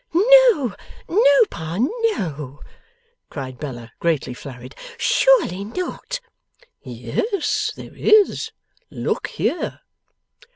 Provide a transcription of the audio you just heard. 'No, no, Pa, no,' cried Bella, greatly flurried. 'Surely not.' 'Yes there is! Look here!